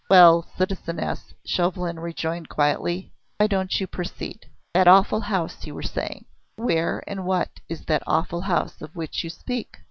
"Well, citizeness," Chauvelin rejoined quietly, "why don't you proceed? That awful house, you were saying. Where and what is that awful house of which you speak?"